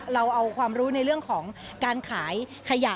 เราเอาความรู้ในเรื่องของการขายขยะ